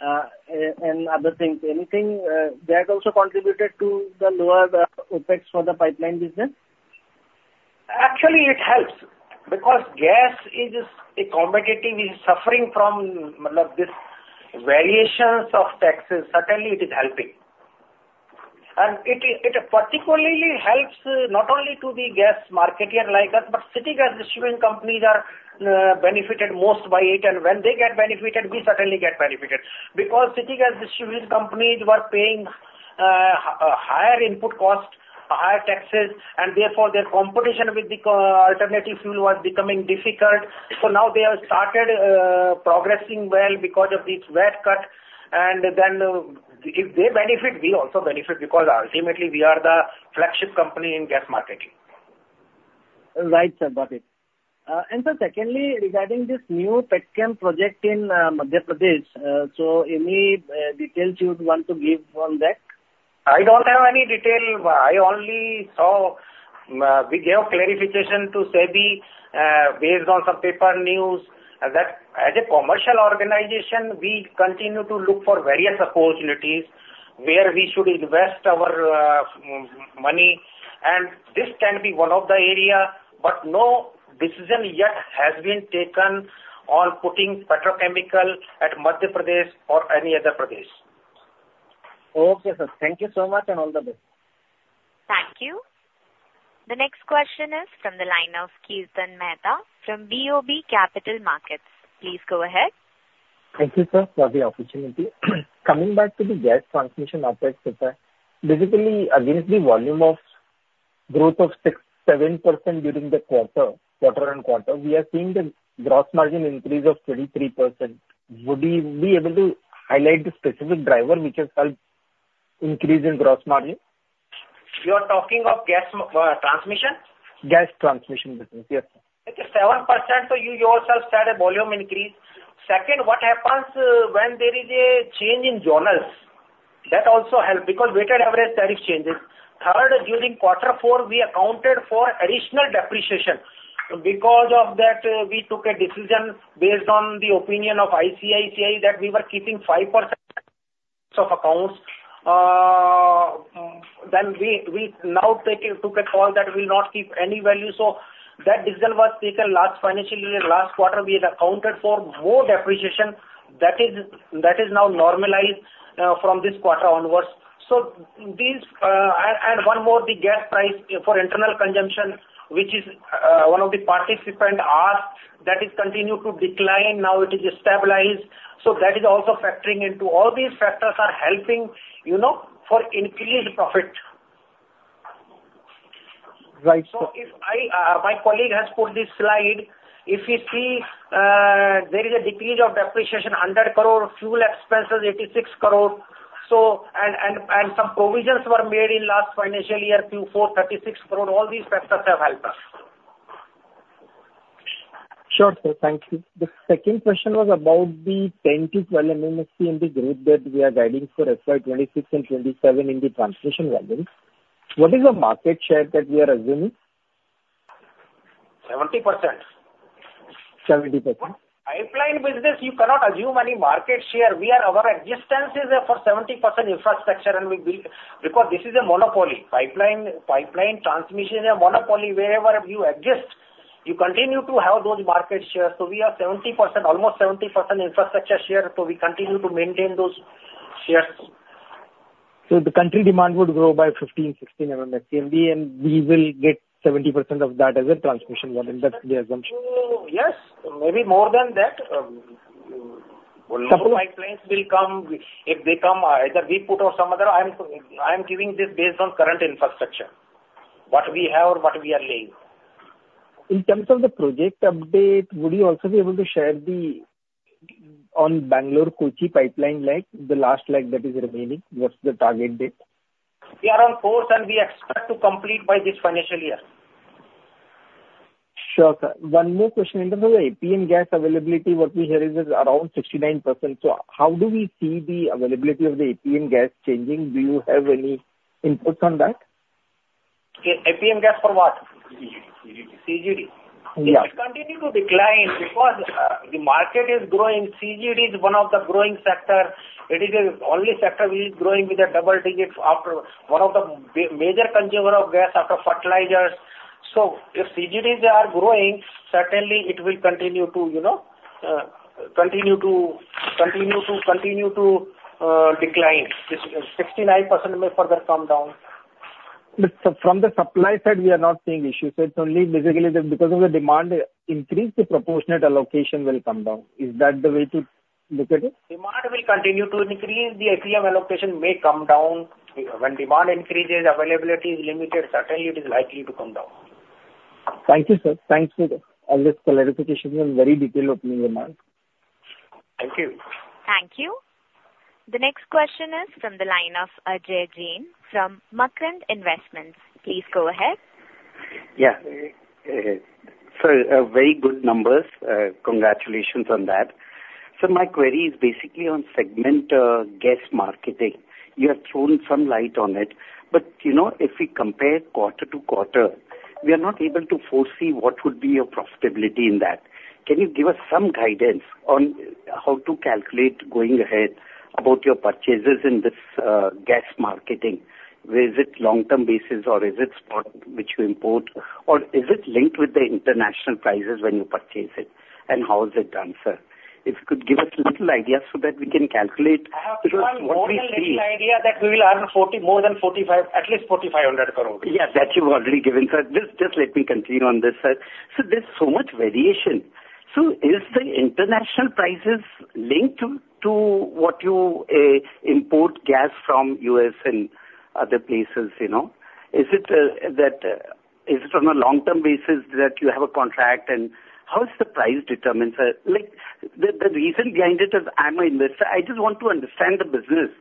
Speaker 8: and other things. Anything that also contributed to the lower CapEx for the pipeline business?
Speaker 3: Actually, it helps, because gas is a competitive, is suffering from, these variations of taxes. Certainly, it is helping. It particularly helps not only to the gas marketer like us, but city gas distribution companies are benefited most by it. When they get benefited, we certainly get benefited, because city gas distribution companies were paying a higher input cost, higher taxes, and therefore their competition with the competing alternative fuel was becoming difficult. So now they have started progressing well because of this VAT cut. Then, if they benefit, we also benefit, because ultimately we are the flagship company in gas marketing.
Speaker 8: Right, sir. Got it. And sir, secondly, regarding this new petchem project in Madhya Pradesh, so any details you'd want to give on that?
Speaker 3: I don't have any detail. I only saw we gave clarification to SEBI, based on some paper news, that as a commercial organization, we continue to look for various opportunities where we should invest our money, and this can be one of the area, but no decision yet has been taken on putting petrochemical at Madhya Pradesh or any other Pradesh.
Speaker 8: Okay, sir. Thank you so much, and all the best.
Speaker 1: Thank you. The next question is from the line of Kirtan Mehta from BOB Capital Markets. Please go ahead.
Speaker 9: Thank you, sir, for the opportunity. Coming back to the gas transmission operations, sir, basically against the volume of-... growth of 6%-7% during the quarter, quarter-on-quarter, we are seeing the gross margin increase of 23%. Would you be able to highlight the specific driver which has helped increase in gross margin?
Speaker 3: You are talking of gas transmission?
Speaker 9: Gas transmission business, yes, sir.
Speaker 3: Okay, 7%, so you yourself said a volume increase. Second, what happens when there is a change in journals, that also helps because weighted average tariff changes. Third, during quarter four, we accounted for additional depreciation. Because of that, we took a decision based on the opinion of ICAI, that we were keeping 5% of accounts. Then we, we now taking-- took a call that we will not keep any value, so that decision was taken last financial year. Last quarter, we had accounted for more depreciation. That is, that is now normalized from this quarter onwards. So these... And, and one more, the gas price for internal consumption, which is, one of the participant asked, that is continued to decline, now it is stabilized, so that is also factoring into. All these factors are helping, you know, for increased profit.
Speaker 9: Right.
Speaker 3: So if I, my colleague has put this slide. If you see, there is a decrease of depreciation, 100 crore, fuel expenses, 86 crore, so, and some provisions were made in last financial year to 436 crore. All these factors have helped us.
Speaker 9: Sure, sir. Thank you. The second question was about the 10-12 MMSY in the grid that we are guiding for FY 2026 and 2027 in the transmission segment. What is the market share that we are assuming?
Speaker 3: Seventy percent.
Speaker 9: Seventy percent?
Speaker 3: Pipeline business, you cannot assume any market share. Our existence is for 70% infrastructure, and we build, because this is a monopoly. Pipeline, pipeline transmission is a monopoly. Wherever you exist, you continue to have those market shares. So we are 70%, almost 70% infrastructure share, so we continue to maintain those shares.
Speaker 9: The country demand would grow by 15-16 MMSCM, and we will get 70% of that as a transmission volume. That's the assumption?
Speaker 3: Yes, maybe more than that. More pipelines will come. If they come, either we put or some other. I'm giving this based on current infrastructure, what we have and what we are laying.
Speaker 9: In terms of the project update, would you also be able to share the, on Bangalore-Kochi pipeline leg, the last leg that is remaining, what's the target date?
Speaker 3: We are on course, and we expect to complete by this financial year.
Speaker 9: Sure, sir. One more question. In terms of the APM gas availability, what we hear is around 69%. So how do we see the availability of the APM gas changing? Do you have any inputs on that?
Speaker 3: APM gas for what?
Speaker 9: CGD.
Speaker 3: CGD?
Speaker 9: Yeah.
Speaker 3: It will continue to decline because the market is growing. CGD is one of the growing sector. It is the only sector which is growing with a double digits after one of the major consumer of gas, after fertilizers. So if CGDs are growing, certainly it will continue to, you know, continue to, continue to, continue to, decline. 69% may further come down.
Speaker 9: But from the supply side, we are not seeing issues. So it's only basically because of the demand increase, the proportionate allocation will come down. Is that the way to look at it?
Speaker 3: Demand will continue to increase. The APM allocation may come down. When demand increases, availability is limited, certainly it is likely to come down.
Speaker 9: Thank you, sir. Thanks for all this clarification and very detailed opening remark.
Speaker 3: Thank you.
Speaker 1: Thank you. The next question is from the line of Ajay Jain from Micent Investments. Please go ahead.
Speaker 10: Yeah. So, very good numbers, congratulations on that. So my query is basically on segment, gas marketing. You have thrown some light on it, but, you know, if we compare quarter to quarter, we are not able to foresee what would be your profitability in that. Can you give us some guidance on how to calculate going ahead about your purchases in this, gas marketing? Is it long-term basis or is it spot which you import, or is it linked with the international prices when you purchase it, and how is it done, sir? If you could give us a little idea so that we can calculate-
Speaker 3: I have one more little idea, that we will earn more than INR 4,500 crore, at least 4,500 crore.
Speaker 10: Yes, that you've already given, sir. Just, just let me continue on this, sir. So there's so much variation. So is the international prices linked to, to what you import gas from U.S. and other places, you know? Is it that... Is it on a long-term basis that you have a contract, and how is the price determined, sir? Like, the reason behind it is, I'm an investor, I just want to understand the business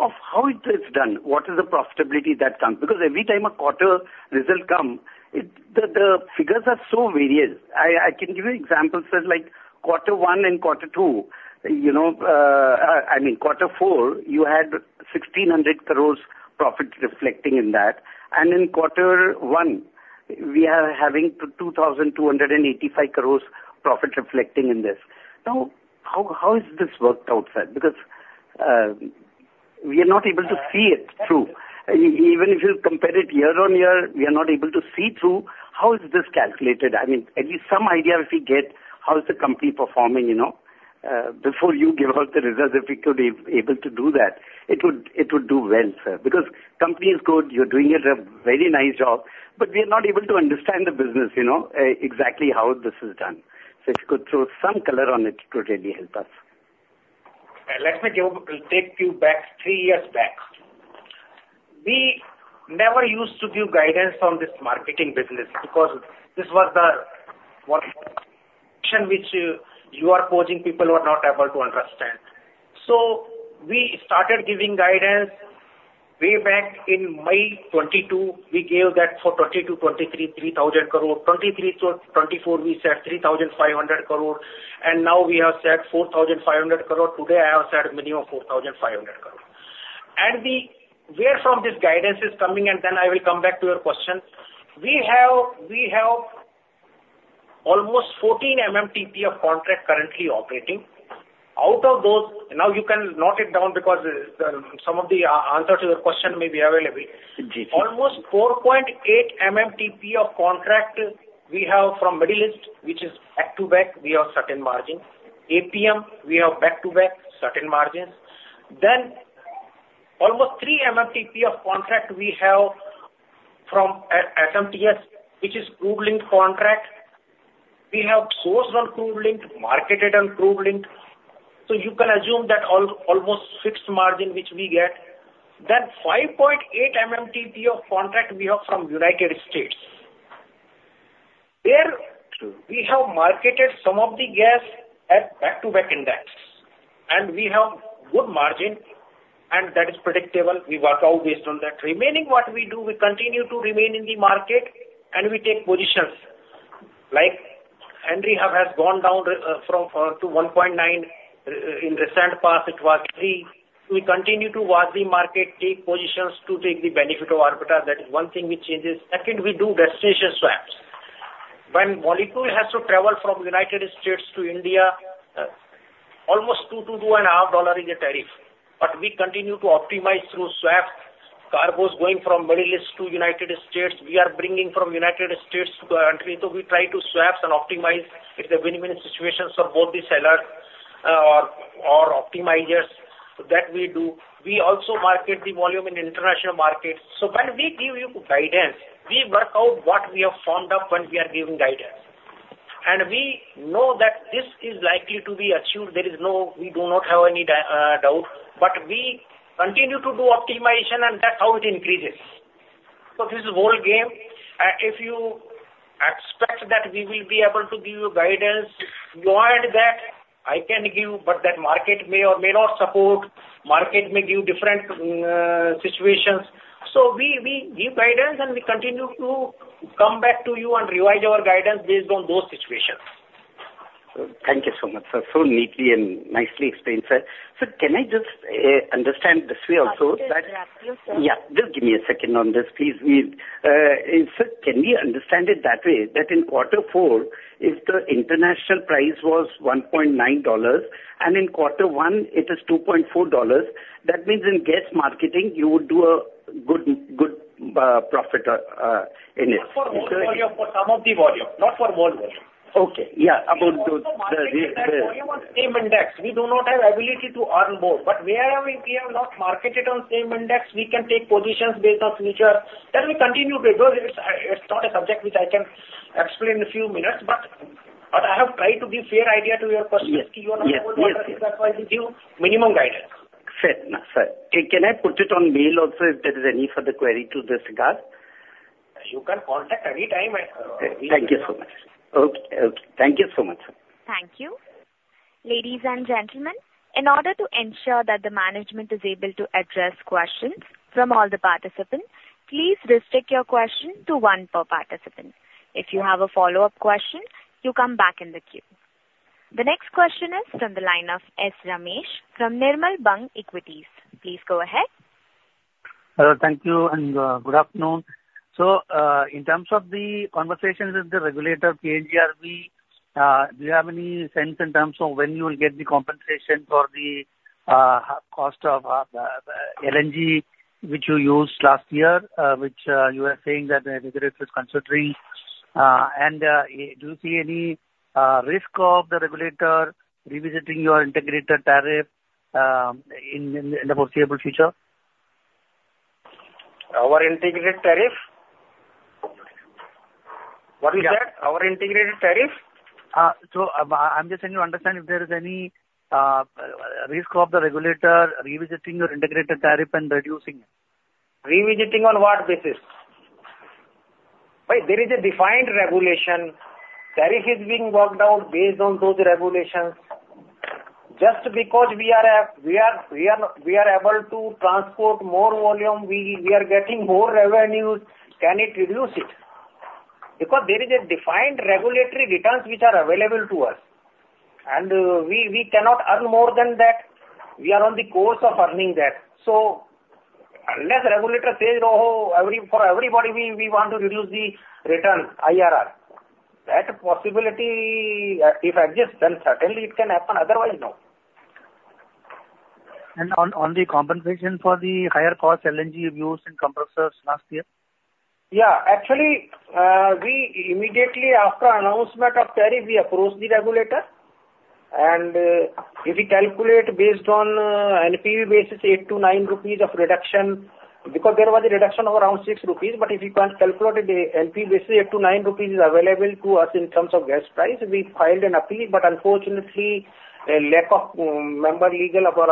Speaker 10: of how it is done, what is the profitability that comes? Because every time a quarter result come, it, the figures are so varied. I can give you examples, sir, like quarter one and quarter two, you know, I mean, quarter four, you had 1,600 crore profit reflecting in that, and in quarter one, we are having 2,285 crore profit reflecting in this. Now, how is this worked out, sir? Because we are not able to see it through. Even if you compare it year-on-year, we are not able to see through. How is this calculated? I mean, at least some idea if we get, how is the company performing, you know, exactly how this is done. It would do well, sir. Because company is good, you're doing a very nice job, but we are not able to understand the business, you know, exactly how this is done. If you could throw some color on it, it would really help us....
Speaker 3: Let me give, take you back three years back. We never used to give guidance on this marketing business, because this was the one which you are posing, people were not able to understand. So we started giving guidance way back in May 2022. We gave that for 2022, 2023, 3,000 crore. 2023 to 2024, we said 3,500 crore, and now we have said 4,500 crore. Today, I have said minimum of 4,500 crore. And the, where from this guidance is coming, and then I will come back to your question. We have, we have almost 14 MMTP of contract currently operating. Out of those, now you can note it down because, some of the, answer to your question may be available.
Speaker 10: Mm-hmm.
Speaker 3: Almost 4.8 MMTP of contract we have from Middle East, which is back-to-back, we have certain margin. APM, we have back-to-back, certain margins. Then almost 3 MMTP of contract we have from SMTS, which is crude linked contract. We have sourced on crude linked, marketed on crude linked, so you can assume that almost fixed margin which we get. Then 5.8 MMTP of contract we have from United States. There, we have marketed some of the gas at back-to-back index, and we have good margin, and that is predictable. We work out based on that. Remaining, what we do, we continue to remain in the market and we take positions. Like, Henry Hub has gone down, from, to 1.9. In recent past, it was 3. We continue to watch the market, take positions to take the benefit of arbitrage. That is one thing which changes. Second, we do destination swaps. When molecule has to travel from United States to India, almost $2-$2.5 is a tariff, but we continue to optimize through swap. Cargoes going from Middle East to United States, we are bringing from United States to our country, so we try to swaps and optimize. It's a win-win situation, so both the seller or optimizes. So that we do. We also market the volume in international markets. So when we give you guidance, we work out what we have formed up when we are giving guidance. And we know that this is likely to be achieved. There is no doubt, but we continue to do optimization, and that's how it increases. So this is whole game. If you expect that we will be able to give you guidance more than that, I can give, but that market may or may not support. Market may give different situations. So we give guidance, and we continue to come back to you and revise our guidance based on those situations.
Speaker 10: Thank you so much, sir. So neatly and nicely explained, sir. Sir, can I just understand this way also?
Speaker 1: Yes, sure.
Speaker 10: Yeah, just give me a second on this, please. We, Sir, can we understand it that way, that in quarter four, if the international price was $1.9, and in quarter one it is $2.4, that means in gas marketing, you would do a good, good, profit, in it?
Speaker 3: For more volume, for some of the volume, not for more volume.
Speaker 10: Okay. Yeah, about those.
Speaker 3: Same index. We do not have ability to earn more, but where we have not marketed on same index, we can take positions based on future. That we continue to do. It's, it's not a subject which I can explain in a few minutes, but, but I have tried to give fair idea to your question.
Speaker 10: Yes. Yes.
Speaker 3: That's why we give minimum guidance.
Speaker 10: Fair enough, sir. Can I put it on mail also if there is any further query to this regard?
Speaker 3: You can contact any time and,
Speaker 10: Thank you so much. Okay. Okay, thank you so much, sir.
Speaker 1: Thank you. Ladies and gentlemen, in order to ensure that the management is able to address questions from all the participants, please restrict your question to one per participant. If you have a follow-up question, you come back in the queue. The next question is from the line of S. Ramesh, from Nirmal Bang Equities. Please go ahead.
Speaker 11: Hello, thank you, and good afternoon. So, in terms of the conversations with the regulator, PNGRB, do you have any sense in terms of when you will get the compensation for the cost of the the LNG which you used last year, which you were saying that the regulator is considering? And do you see any risk of the regulator revisiting your integrated tariff in the foreseeable future?
Speaker 3: Our integrated tariff? What is that, our integrated tariff?
Speaker 11: I'm just trying to understand if there is any risk of the regulator revisiting your integrated tariff and reducing it?
Speaker 3: Revisiting on what basis? Well, there is a defined regulation. Tariff is being worked out based on those regulations. Just because we are able to transport more volume, we are getting more revenues, can it reduce it? Because there is a defined regulatory returns which are available to us, and we cannot earn more than that. We are on the course of earning that. So unless regulator says, "Oh, for everybody, we want to reduce the return, IRR," that possibility, if it exists, then certainly it can happen. Otherwise, no.
Speaker 11: On the compensation for the higher cost LNG you've used in compressors last year?
Speaker 3: Yeah. Actually, we immediately after announcement of tariff, we approached the regulator, and if you calculate based on a NPV basis, 8-9 rupees of reduction, because there was a reduction of around 6 rupees. But if you can calculate it, the NPV basis, 8-9 rupees is available to us in terms of gas price. We filed an appeal, but unfortunately, a lack of a legal member,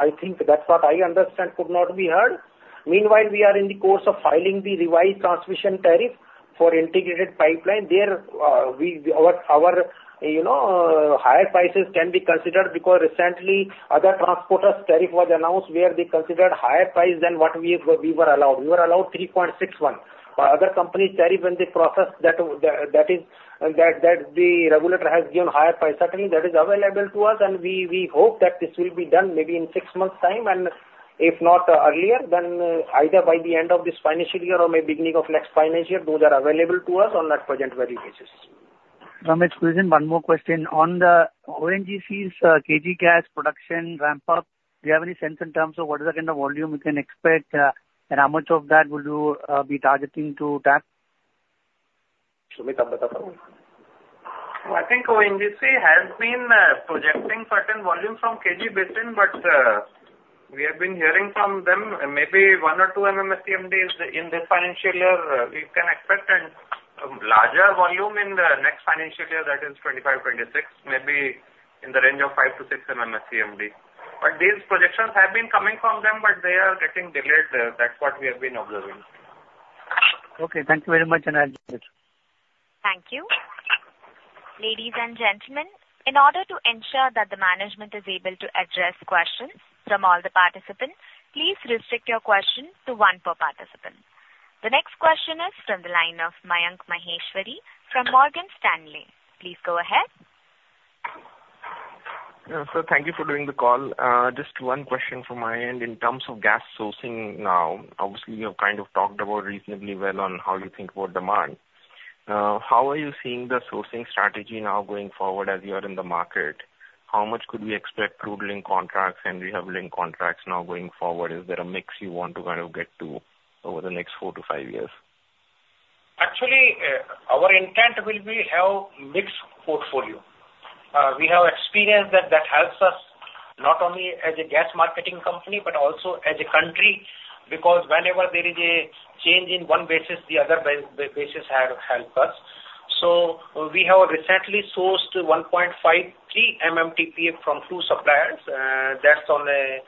Speaker 3: I think that's what I understand, could not be heard. Meanwhile, we are in the course of filing the revised transmission tariff for integrated pipeline. There, our, you know, higher prices can be considered, because recently other transporters' tariff was announced, where they considered higher price than what we were allowed. We were allowed 3.61. Other companies' tariff in the process that the regulator has given higher price, certainly that is available to us, and we hope that this will be done maybe in six months' time, and if not earlier, then either by the end of this financial year or maybe beginning of next financial year, those are available to us on that present value basis.
Speaker 11: Amit, one more question. On the ONGC's KG gas production ramp up, do you have any sense in terms of what is the kind of volume you can expect, and how much of that will you be targeting to tap?
Speaker 3: Sumeet Rohra, inaudible.
Speaker 12: I think ONGC has been projecting certain volumes from KG Basin, but we have been hearing from them, maybe 1 or 2 MMSCMD in this financial year, we can expect, and larger volume in the next financial year, that is 2025, 2026, maybe in the range of 5-6 MMSCMD. But these projections have been coming from them, but they are getting delayed. That's what we have been observing.
Speaker 11: Okay, thank you very much, and I appreciate it.
Speaker 1: Thank you. Ladies and gentlemen, in order to ensure that the management is able to address questions from all the participants, please restrict your questions to one per participant. The next question is from the line of Mayank Maheshwari from Morgan Stanley. Please go ahead.
Speaker 13: Yeah. So thank you for doing the call. Just one question from my end. In terms of gas sourcing now, obviously, you have kind of talked about reasonably well on how you think about demand. How are you seeing the sourcing strategy now going forward as you are in the market? How much could we expect through linked contracts and we have linked contracts now going forward? Is there a mix you want to kind of get to over the next four to five years?
Speaker 3: Actually, our intent will be have mixed portfolio. We have experienced that, that helps us not only as a gas marketing company, but also as a country, because whenever there is a change in one basis, the other basis helps us. So we have recently sourced 1.53 MMTPA from two suppliers. That's on a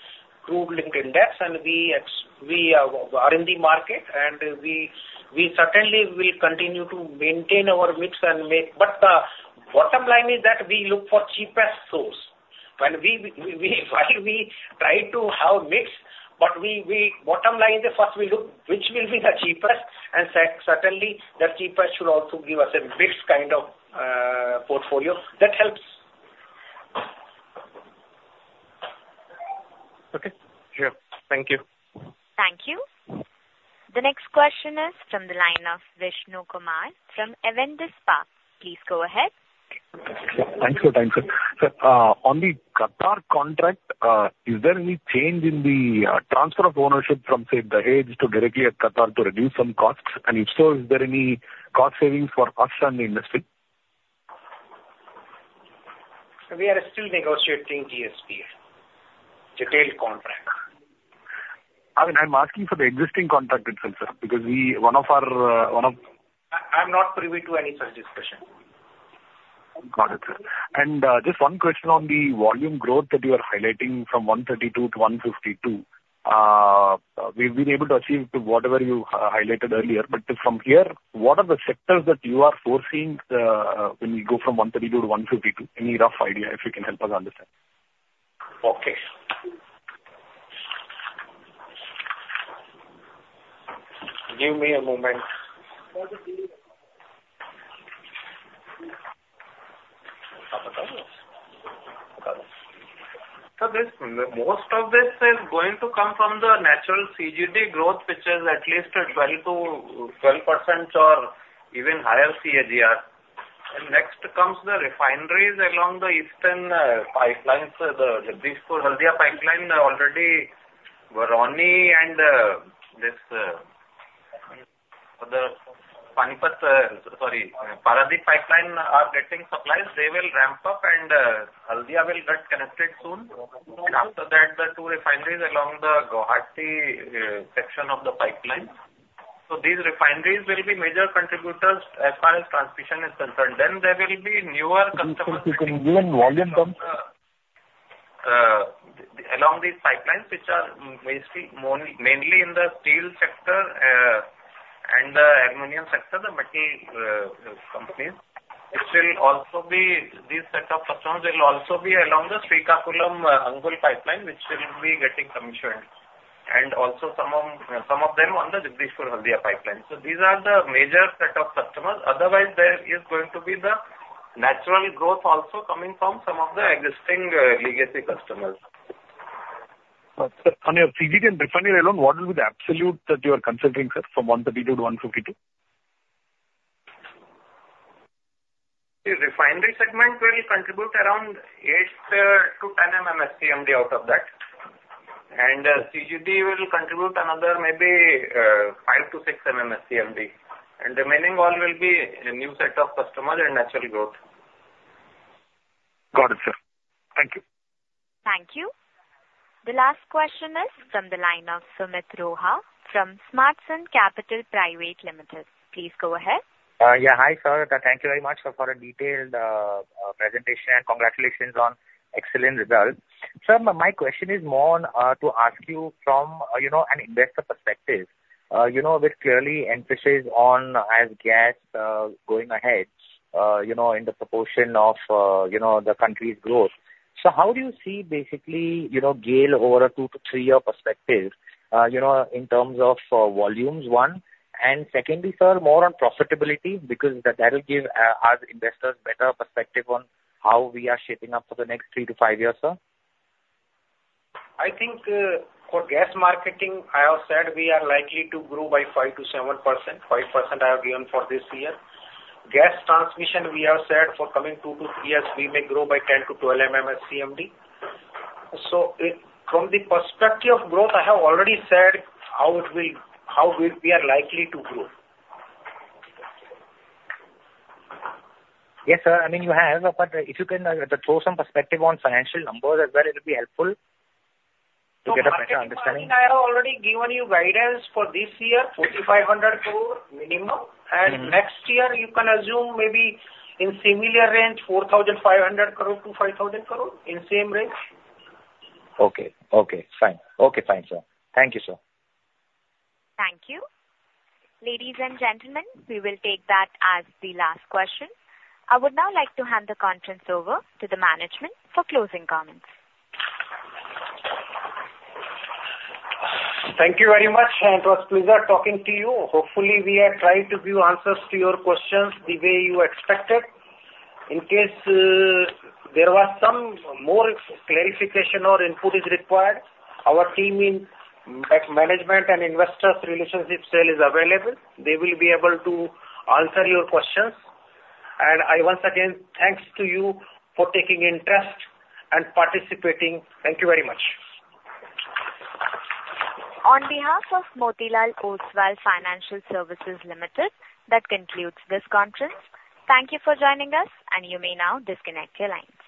Speaker 3: crude-linked index, and we are in the market, and we certainly will continue to maintain our mix and make... But the bottom line is that we look for cheapest source. When we while we try to have mix, but we bottom line is first we look which will be the cheapest, and certainly, the cheapest should also give us a mixed kind of portfolio. That helps.
Speaker 13: Okay. Sure. Thank you.
Speaker 1: Thank you. The next question is from the line of Vishnu Kumar from Avendus Spark. Please go ahead.
Speaker 14: Thanks for your time, sir. Sir, on the Qatar contract, is there any change in the transfer of ownership from, say, Dahej to directly at Qatar to reduce some costs? And if so, is there any cost savings for us and the industry?
Speaker 3: We are still negotiating the SPA, detailed contract.
Speaker 14: I mean, I'm asking for the existing contract itself, sir, because we, one of our, one of-
Speaker 3: I'm not privy to any such discussion.
Speaker 14: Got it, sir. And, just one question on the volume growth that you are highlighting from 132 to 152. We've been able to achieve to whatever you highlighted earlier, but from here, what are the sectors that you are sourcing, when you go from 132 to 152? Any rough idea, if you can help us understand.
Speaker 3: Okay. Give me a moment.
Speaker 12: Sir, this, most of this is going to come from the natural CGD growth, which is at least 12%-12% or even higher CAGR. Next comes the refineries along the eastern pipelines, the Dibrugarh-Haldia pipeline already, Barauni and, this, the Panipat, sorry, Paradip pipeline are getting supplies. They will ramp up, and, Haldia will get connected soon. After that, the two refineries along the Guwahati section of the pipeline. So these refineries will be major contributors as far as transmission is concerned. Then there will be newer customers-
Speaker 14: Can you give in volume terms?
Speaker 12: Along these pipelines, which are basically more, mainly in the steel sector, and the aluminum sector, the metal companies. Which will also be, these set of customers will also be along the Srikakulam-Angul pipeline, which will be getting commissioned, and also some of, some of them on the Dibrugarh-Haldia pipeline. So these are the major set of customers. Otherwise, there is going to be the natural growth also coming from some of the existing, legacy customers.
Speaker 14: Sir, on your CGD and refinery alone, what will be the absolute that you are considering, sir, from 132-152?
Speaker 12: The refinery segment will contribute around 8-10 MMSCMD out of that. CGD will contribute another maybe 5-6 MMSCMD, and remaining all will be a new set of customers and natural growth.
Speaker 14: Got it, sir. Thank you.
Speaker 1: Thank you. The last question is from the line of Sumeet Rohra from Smartsun Capital. Please go ahead.
Speaker 15: Yeah, hi, sir. Thank you very much for a detailed presentation, and congratulations on excellent results. Sir, my question is more on to ask you from, you know, an investor perspective. You know, with clear emphasis on gas going ahead, you know, in the proportion of the country's growth. So how do you see basically, you know, GAIL over a 2-3-year perspective, you know, in terms of volumes, one? And secondly, sir, more on profitability, because that will give us investors better perspective on how we are shaping up for the next 3-5 years, sir.
Speaker 3: I think, for gas marketing, I have said we are likely to grow by 5%-7%. 5% I have given for this year. Gas transmission, we have said for coming 2-3 years, we may grow by 10-12 MMSCMD. So it... From the perspective of growth, I have already said how it will-- how we are likely to grow.
Speaker 15: Yes, sir. I mean, you have, but if you can, throw some perspective on financial numbers as well, it'll be helpful to get a better understanding.
Speaker 3: So, marketing, I have already given you guidance for this year, 4,500 crore minimum, and next year you can assume maybe in similar range, 4,500 crore-5,000 crore, in same range.
Speaker 15: Okay. Okay, fine. Okay, fine, sir. Thank you, sir.
Speaker 1: Thank you. Ladies and gentlemen, we will take that as the last question. I would now like to hand the conference over to the management for closing comments.
Speaker 3: Thank you very much, and it was a pleasure talking to you. Hopefully, we have tried to give answers to your questions the way you expected. In case there was some more clarification or input is required, our team in management and investor relations cell is available. They will be able to answer your questions. And I once again, thanks to you for taking interest and participating. Thank you very much.
Speaker 1: On behalf of Motilal Oswal Financial Services Limited, that concludes this conference. Thank you for joining us, and you may now disconnect your lines.